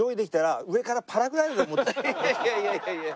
いやいやいやいや。